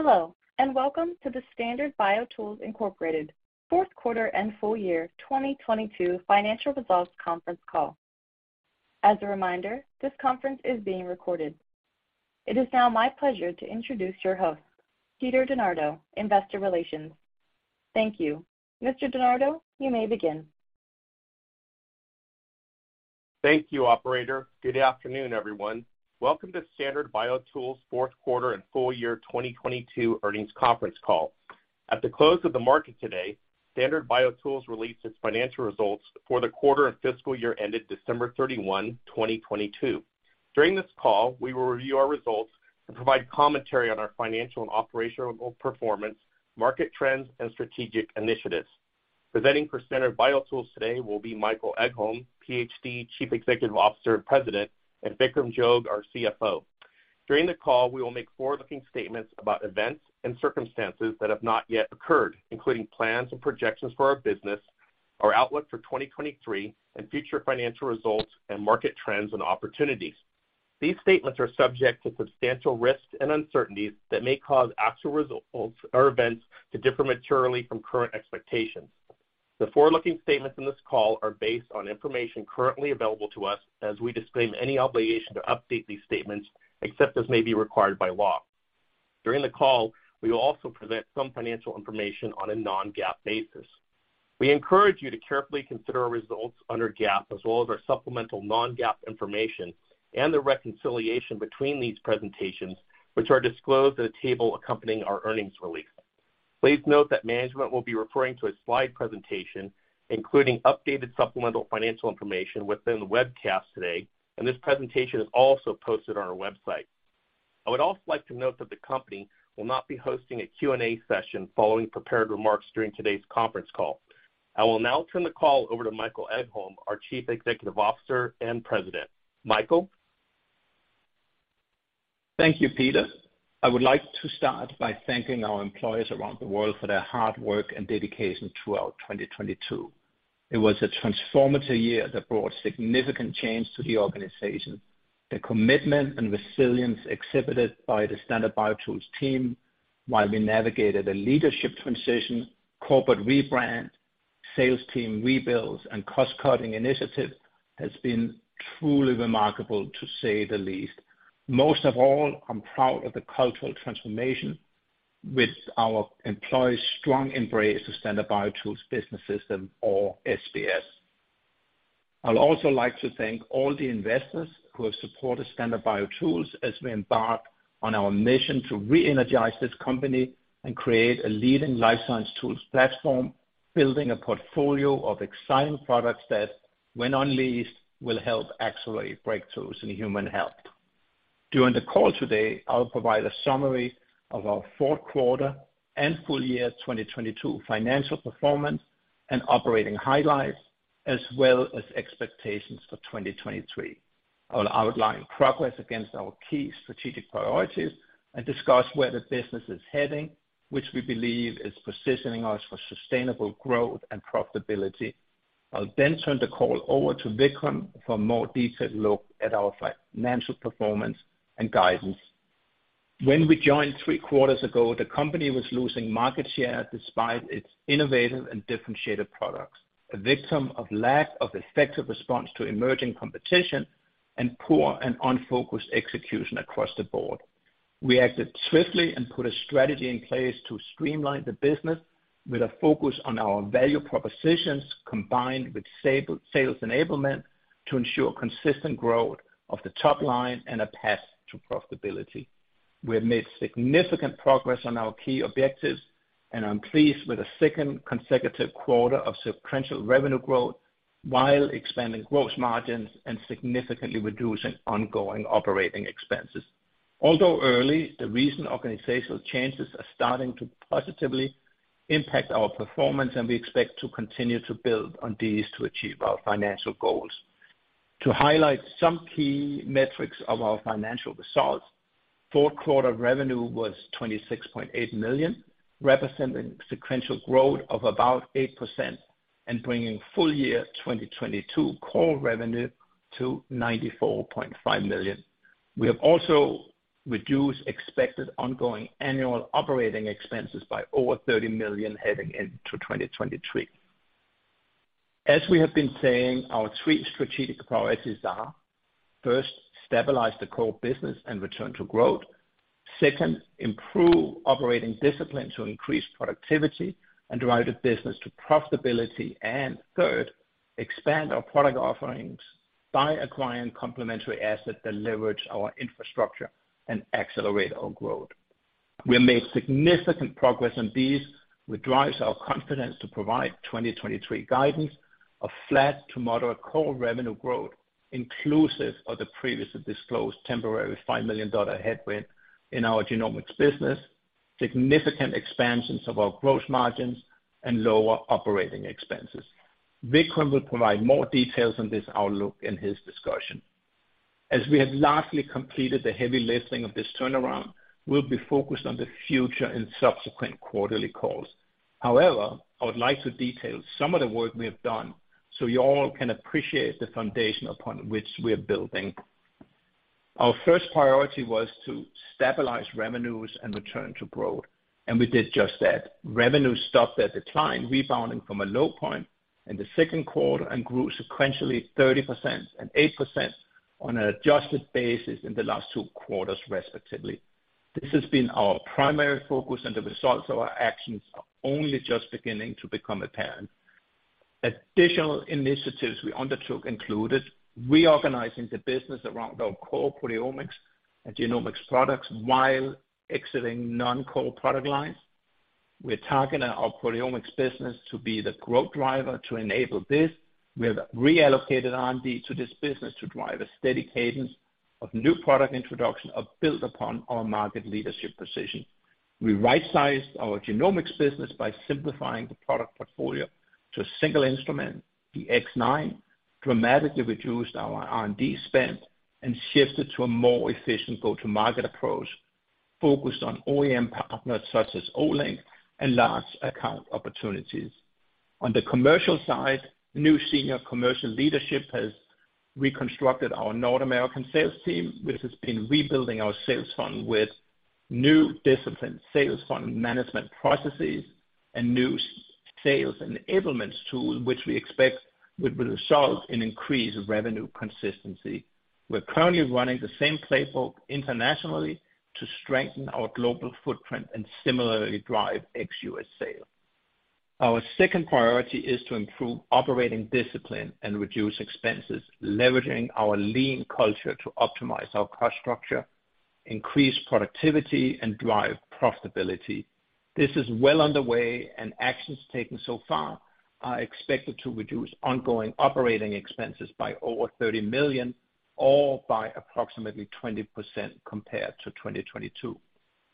Hello. Welcome to the Standard BioTools Inc. fourth quarter and full year 2022 financial results conference call. As a reminder, this conference is being recorded. It is now my pleasure to introduce your host, Peter DeNardo, Investor Relations. Thank you. Mr. DeNardo, you may begin. Thank you operator. Good afternoon everyone. Welcome to Standard BioTools fourth quarter and full year 2022 earnings conference call. At the close of the market today, Standard BioTools released its financial results for the quarter and fiscal year ended December 31, 2022. During this call, we will review our results and provide commentary on our financial and operational performance, market trends, and strategic initiatives. Presenting for Standard BioTools today will be Michael Egholm, PhD, Chief Executive Officer and President, and Vikram Jog our CFO. During the call, we will make forward-looking statements about events and circumstances that have not yet occurred, including plans and projections for our business, our outlook for 2023, and future financial results and market trends and opportunities. These statements are subject to substantial risks and uncertainties that may cause actual results or events to differ materially from current expectations. The forward-looking statements in this call are based on information currently available to us as we disclaim any obligation to update these statements, except as may be required by law. During the call, we will also present some financial information on a Non-GAAP basis. We encourage you to carefully consider our results under GAAP as well as our supplemental Non-GAAP information and the reconciliation between these presentations, which are disclosed in a table accompanying our earnings release. Please note that management will be referring to a slide presentation, including updated supplemental financial information within the webcast today, and this presentation is also posted on our website. I would also like to note that the company will not be hosting a Q&A session following prepared remarks during today's conference call. I will now turn the call over to Michael Egholm, our Chief Executive Officer and President. Michael? Thank you Peter. I would like to start by thanking our employees around the world for their hard work and dedication throughout 2022. It was a transformative year that brought significant change to the organization. The commitment and resilience exhibited by the Standard BioTools team while we navigated a leadership transition, corporate rebrand, sales team rebuilds, and cost-cutting initiatives has been truly remarkable, to say the least. Most of all, I'm proud of the cultural transformation with our employees' strong embrace of Standard BioTools Business System or SBS. I'd also like to thank all the investors who have supported Standard BioTools as we embark on our mission to reenergize this company and create a leading life science tools platform, building a portfolio of exciting products that, when unleashed, will help accelerate breakthroughs in human health. During the call today, I'll provide a summary of our fourth quarter and full year 2022 financial performance and operating highlights, as well as expectations for 2023. I'll outline progress against our key strategic priorities and discuss where the business is heading, which we believe is positioning us for sustainable growth and profitability. I'll turn the call over to Vikram for a more detailed look at our financial performance and guidance. When we joined three quarters ago, the company was losing market share despite its innovative and differentiated products, a victim of lack of effective response to emerging competition and poor and unfocused execution across the board. We acted swiftly and put a strategy in place to streamline the business with a focus on our value propositions combined with sales enablement to ensure consistent growth of the top line and a path to profitability. We have made significant progress on our key objectives, and I am pleased with the second consecutive quarter of sequential revenue growth while expanding gross margins and significantly reducing ongoing operating expenses. Although early, the recent organizational changes are starting to positively impact our performance, and we expect to continue to build on these to achieve our financial goals. To highlight some key metrics of our financial results, fourth quarter revenue was $26.8 million, representing sequential growth of about 8% and bringing full year 2022 core revenue to $94.5 million. We have also reduced expected ongoing annual operating expenses by over $30 million heading into 2023. As we have been saying, our three strategic priorities are, first, stabilize the core business and return to growth. Second, improve operating discipline to increase productivity and drive the business to profitability. Third, expand our product offerings by acquiring complementary assets that leverage our infrastructure and accelerate our growth. We have made significant progress on these, which drives our confidence to provide 2023 guidance of flat to moderate core revenue growth, inclusive of the previously disclosed temporary $5 million headwind in our genomics business, significant expansions of our gross margins, and lower operating expenses. Vikram will provide more details on this outlook in his discussion. As we have largely completed the heavy lifting of this turnaround, we'll be focused on the future in subsequent quarterly calls. However, I would like to detail some of the work we have done so you all can appreciate the foundation upon which we are building. Our first priority was to stabilize revenues and return to growth, and we did just that. Revenue stopped that decline, rebounding from a low point in the second quarter and grew sequentially 30% and 8% on an adjusted basis in the last two quarters, respectively. This has been our primary focus, the results of our actions are only just beginning to become apparent. Additional initiatives we undertook included reorganizing the business around our core proteomics and genomics products while exiting non-core product lines. We're targeting our proteomics business to be the growth driver. To enable this, we have reallocated R&D to this business to drive a steady cadence of new product introduction and build upon our market leadership position. We right-sized our genomics business by simplifying the product portfolio to a single instrument, the X9, dramatically reduced our R&D spend, and shifted to a more efficient go-to-market approach focused on OEM partners such as Olink and large account opportunities. On the commercial side, new senior commercial leadership has reconstructed our North American sales team, which has been rebuilding our sales fund with new disciplined sales fund management processes and new sales enablement tool, which we expect will result in increased revenue consistency. We're currently running the same playbook internationally to strengthen our global footprint and similarly drive Ex-US sales. Our second priority is to improve operating discipline and reduce expenses, leveraging our lean culture to optimize our cost structure, increase productivity, and drive profitability. This is well underway, actions taken so far are expected to reduce ongoing operating expenses by over $30 million, or by approximately 20% compared to 2022.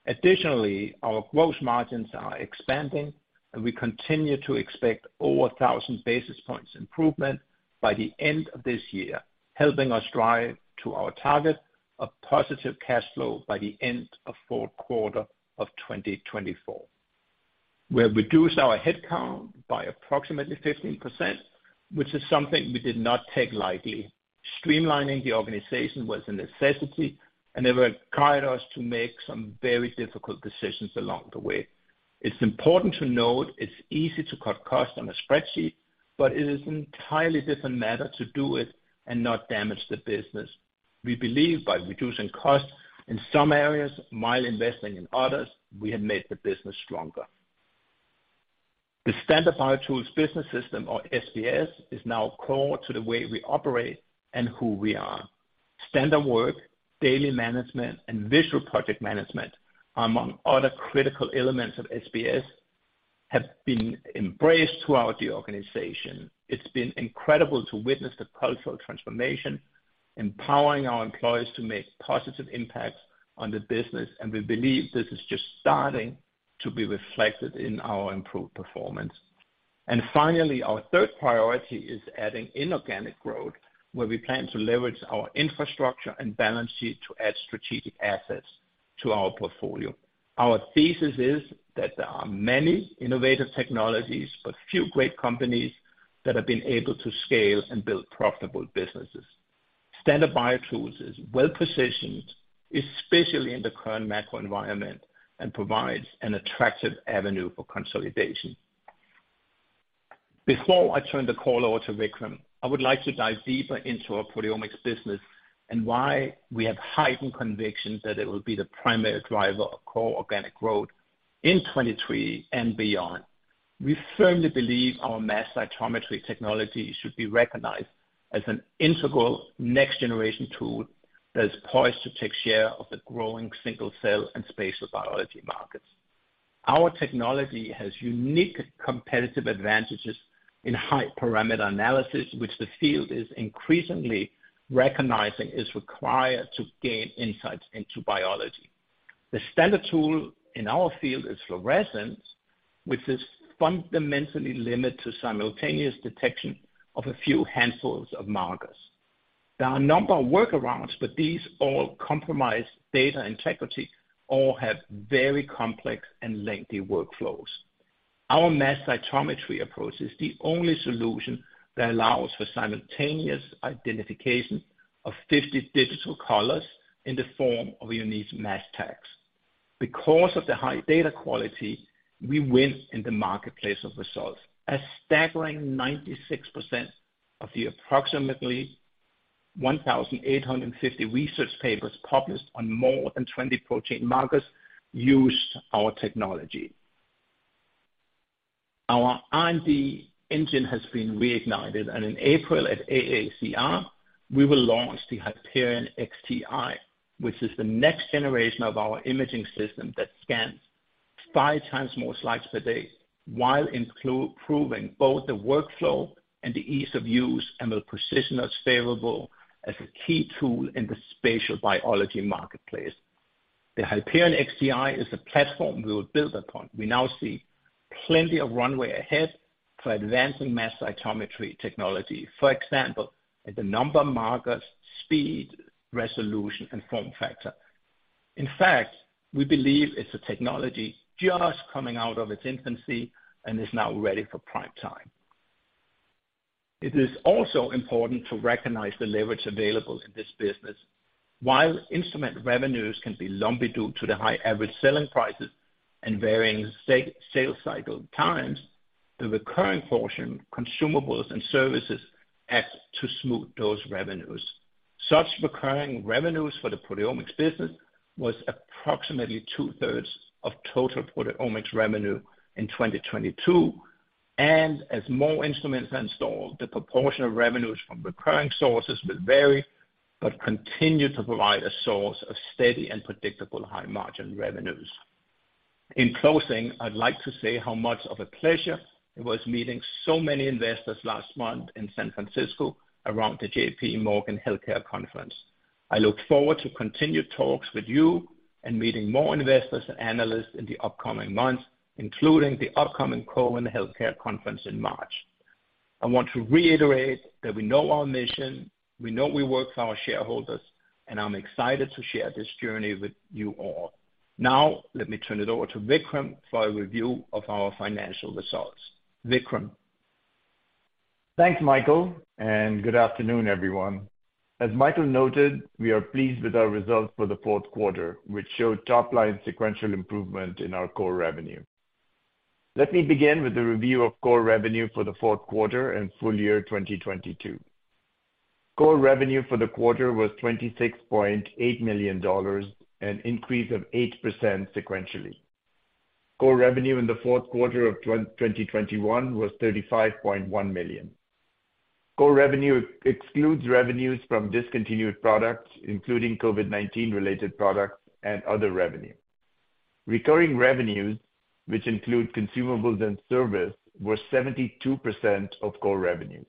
Additionally, our gross margins are expanding, and we continue to expect over 1,000 basis points improvement by the end of this year, helping us drive to our target of positive cash flow by the end of fourth quarter of 2024. We have reduced our headcount by approximately 15%, which is something we did not take lightly. Streamlining the organization was a necessity, and it required us to make some very difficult decisions along the way. It's important to note it's easy to cut costs on a spreadsheet, but it is an entirely different matter to do it and not damage the business. We believe by reducing costs in some areas while investing in others, we have made the business stronger. The Standard BioTools Business System, or SBS, is now core to the way we operate and who we are. Standard work, daily management, and visual project management, among other critical elements of SBS, have been embraced throughout the organization. It's been incredible to witness the cultural transformation, empowering our employees to make positive impacts on the business, and we believe this is just starting to be reflected in our improved performance. Finally, our third priority is adding inorganic growth, where we plan to leverage our infrastructure and balance sheet to add strategic assets to our portfolio. Our thesis is that there are many innovative technologies, but few great companies that have been able to scale and build profitable businesses. Standard BioTools is well-positioned, especially in the current macro environment, and provides an attractive avenue for consolidation. Before I turn the call over to Vikram, I would like to dive deeper into our proteomics business and why we have heightened conviction that it will be the primary driver of core organic growth in 23 and beyond. We firmly believe our mass cytometry technology should be recognized as an integral next-generation tool that is poised to take share of the growing Single-Cell and spatial biology markets. Our technology has unique competitive advantages in high parameter analysis, which the field is increasingly recognizing is required to gain insights into biology. The standard tool in our field is fluorescence, which is fundamentally limited to simultaneous detection of a few handfuls of markers. There are a number of workarounds, but these all compromise data integrity or have very complex and lengthy workflows. Our mass cytometry approach is the only solution that allows for simultaneous identification of 50 digital colors in the form of unique mass tags. Because of the high data quality, we win in the marketplace of results. A staggering 96% of the approximately 1,850 research papers published on more than 20 protein markers used our technology. Our R&D engine has been reignited, and in April at AACR, we will launch the Hyperion XTi, which is the next generation of our imaging system that scans five times more slides per day, while improving both the workflow and the ease of use, and will position us favorable as a key tool in the spatial biology marketplace. The Hyperion XTi is a platform we will build upon. We now see plenty of runway ahead for advancing mass cytometry technology. For example, the number of markers, speed, resolution, and form factor. In fact, we believe it's a technology just coming out of its infancy and is now ready for prime time. It is also important to recognize the leverage available in this business. While instrument revenues can be lumpy due to the high average selling prices and varying sales cycle times, the recurring portion, consumables and services act to smooth those revenues. Such recurring revenues for the proteomics business was approximately two-third of total proteomics revenue in 2022. As more instruments are installed, the proportion of revenues from recurring sources will vary, but continue to provide a source of steady and predictable high margin revenues. In closing, I'd like to say how much of a pleasure it was meeting so many investors last month in San Francisco around the JPMorgan Healthcare Conference. I look forward to continued talks with you and meeting more investors and analysts in the upcoming months, including the upcoming Cowen Health Care Conference in March. I want to reiterate that we know our mission, we know we work for our shareholders, and I'm excited to share this journey with you all. Let me turn it over to Vikram for a review of our financial results. Vikram? Thanks, Michael, and good afternoon, everyone. As Michael noted, we are pleased with our results for the fourth quarter, which showed top-line sequential improvement in our core revenue. Let me begin with a review of core revenue for the fourth quarter and full year 2022. Core revenue for the quarter was $26.8 million, an increase of 8% sequentially. Core revenue in the fourth quarter of 2021 was $35.1 million. Core revenue excludes revenues from discontinued products, including COVID-19 related products and other revenue. Recurring revenues, which include consumables and service, were 72% of core revenues.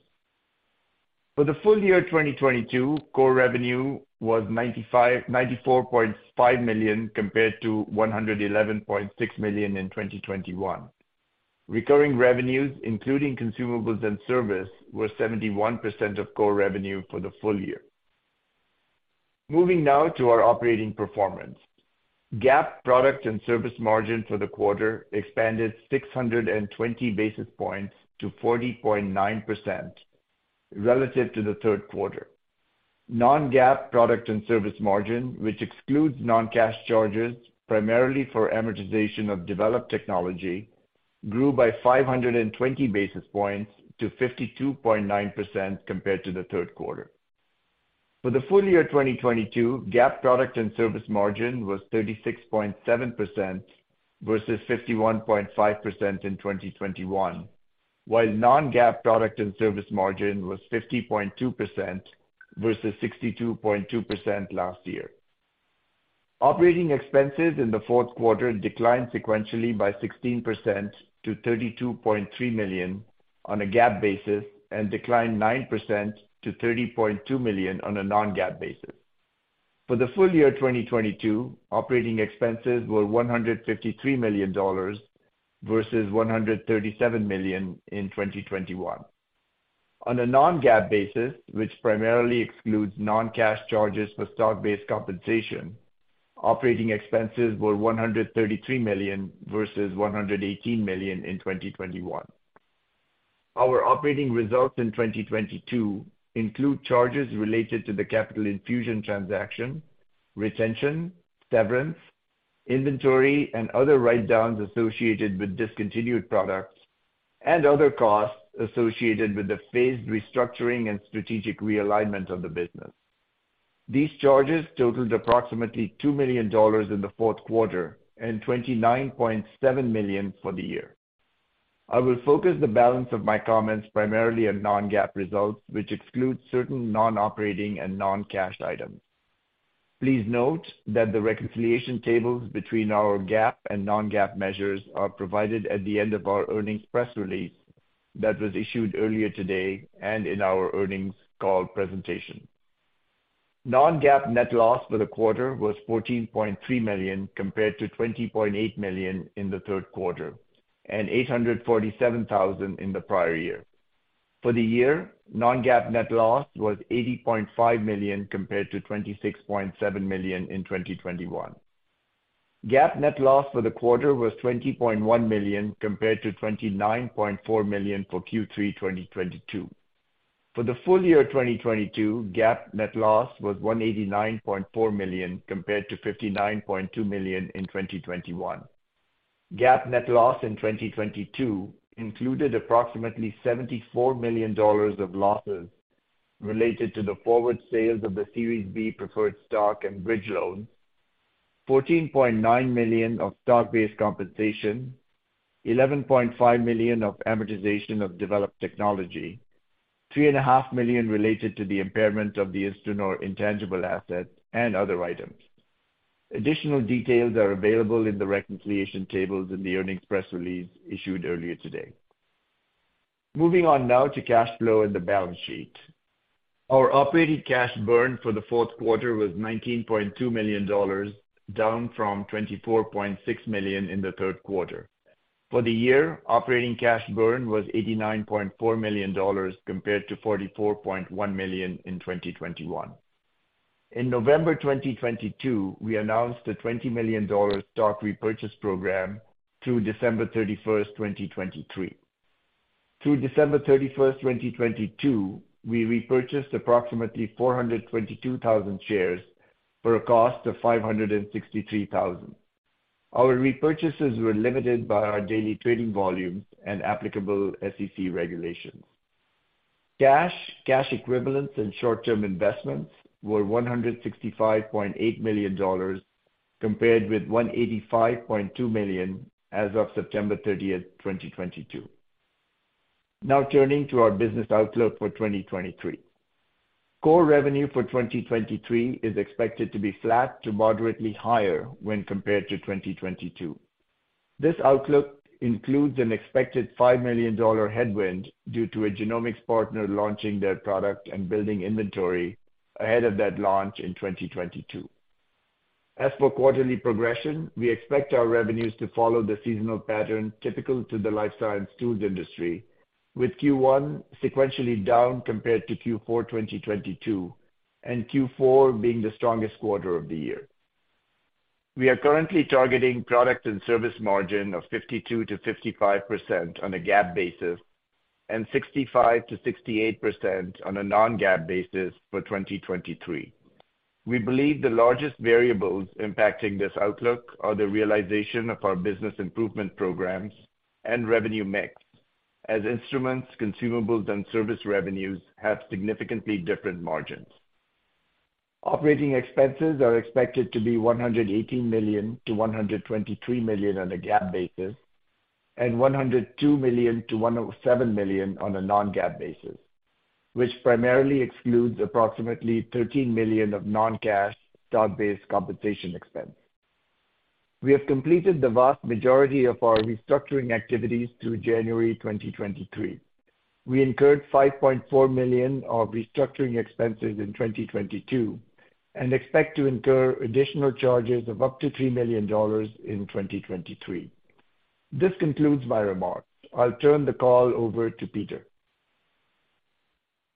For the full year 2022, core revenue was $94.5 million compared to $111.6 million in 2021. Recurring revenues, including consumables and service, were 71% of core revenue for the full year. Moving now to our operating performance. GAAP product and service margin for the quarter expanded 620 basis points to 40.9% relative to the third quarter. Non-GAAP product and service margin, which excludes non-cash charges, primarily for amortization of developed technology, grew by 520 basis points to 52.9% compared to the third quarter. For the full year 2022, GAAP product and service margin was 36.7% versus 51.5% in 2021, while Non-GAAP product and service margin was 50.2% versus 62.2% last year. Operating expenses in the fourth quarter declined sequentially by 16% to $32.3 million on a GAAP basis and declined 9% to $30.2 million on a Non-GAAP basis. For the full year 2022, operating expenses were $153 million versus $137 million in 2021. On a Non-GAAP basis, which primarily excludes non-cash charges for stock-based compensation, operating expenses were $133 million versus $118 million in 2021. Our operating results in 2022 include charges related to the capital infusion transaction, retention, severance, inventory, and other write-downs associated with discontinued products, and other costs associated with the phased restructuring and strategic realignment of the business. These charges totaled approximately $2 million in the fourth quarter and $29.7 million for the year. I will focus the balance of my comments primarily on Non-GAAP results, which excludes certain non-operating and non-cash items. Please note that the reconciliation tables between our GAAP and Non-GAAP measures are provided at the end of our earnings press release that was issued earlier today and in our earnings call presentation. Non-GAAP net loss for the quarter was $14.3 million compared to $20.8 million in the third quarter and $847 thousand in the prior year. For the year, Non-GAAP net loss was $80.5 million compared to $26.7 million in 2021. GAAP net loss for the quarter was $20.1 million compared to $29.4 million for Q3 2022. For the full year 2022, GAAP net loss was $189.4 million compared to $59.2 million in 2021. GAAP net loss in 2022 included approximately $74 million of losses related to the forward sales of the Series B preferred stock and bridge loan, $14.9 million of stock-based compensation, $11.5 million of amortization of developed technology, three and a half million related to the impairment of the InstruNor intangible asset and other items. Additional details are available in the reconciliation tables in the earnings press release issued earlier today. Moving on now to cash flow and the balance sheet. Our operating cash burn for the fourth quarter was $19.2 million, down from $24.6 million in the third quarter. For the year, operating cash burn was $89.4 million compared to $44.1 million in 2021. In November 2022, we announced a $20 million stock repurchase program through December 31, 2023. Through December 31, 2022, we repurchased approximately 422,000 shares for a cost of $563,000. Our repurchases were limited by our daily trading volume and applicable SEC regulations. Cash, cash equivalents, and short-term investments were $165.8 million compared with $185.2 million as of September 30, 2022. Turning to our business outlook for 2023. Core revenue for 2023 is expected to be flat to moderately higher when compared to 2022. This outlook includes an expected $5 million headwind due to a genomics partner launching their product and building inventory ahead of that launch in 2022. For quarterly progression, we expect our revenues to follow the seasonal pattern typical to the life science tools industry, with Q1 sequentially down compared to Q4 2022, and Q4 being the strongest quarter of the year. We are currently targeting product and service margin of 52%-55% on a GAAP basis and 65%-68% on a Non-GAAP basis for 2023. We believe the largest variables impacting this outlook are the realization of our business improvement programs and revenue mix as instruments, consumables, and service revenues have significantly different margins. Operating expenses are expected to be $118 million-$123 million on a GAAP basis and $102 million-$107 million on a Non-GAAP basis, which primarily excludes approximately $13 million of non-cash stock-based compensation expense. We have completed the vast majority of our restructuring activities through January 2023. We incurred $5.4 million of restructuring expenses in 2022 and expect to incur additional charges of up to $3 million in 2023. This concludes my remarks. I'll turn the call over to Peter.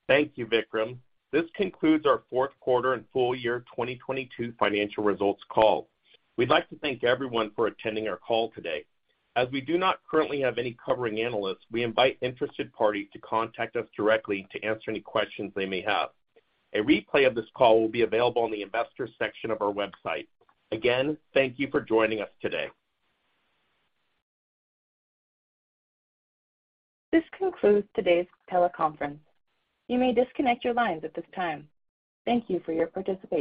Thank you, Vikram. This concludes our fourth quarter and full year 2022 financial results call. We'd like to thank everyone for attending our call today. As we do not currently have any covering analysts, we invite interested parties to contact us directly to answer any questions they may have. A replay of this call will be available on the investors section of our website. Again, thank you for joining us today. This concludes today's teleconference. You may disconnect your lines at this time. Thank you for your participation.